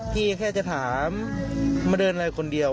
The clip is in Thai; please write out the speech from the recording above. แค่จะถามมาเดินอะไรคนเดียว